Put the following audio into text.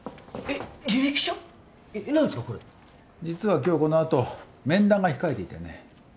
実は今日このあと面談が控えていてね。